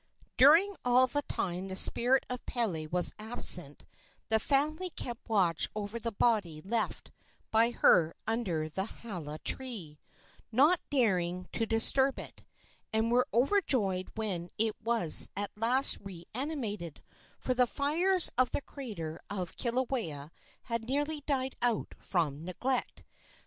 During all the time the spirit of Pele was absent the family kept watch over the body left by her under the hala tree, not daring to disturb it, and were overjoyed when it was at last reanimated, for the fires of the crater of Kilauea had nearly died out from neglect.